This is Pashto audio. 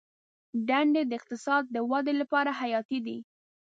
دندې د اقتصاد د ودې لپاره حیاتي دي.